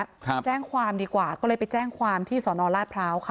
ครับแจ้งความดีกว่าก็เลยไปแจ้งความที่สอนอราชพร้าวค่ะ